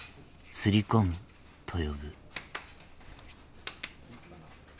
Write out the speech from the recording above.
すりこむと呼ぶ。